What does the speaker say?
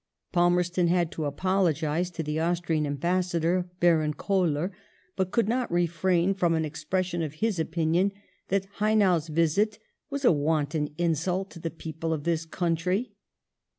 Palmerston had to apologize to the Austrian Ambassador, Baron Koller, but could not refrain from an expression of his opinion that Haynau's visit was " a wanton insult to the people of this country